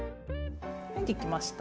はいできました。